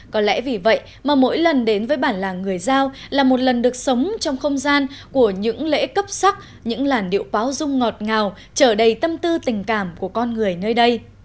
có lẽ vì vậy mà mỗi lần đến với bản làng người giao là một lần được sống trong không gian của những lễ cấp sắc những làn điệu báo dung ngọt ngào trở đầy tâm tư tình cảm của con người nơi đây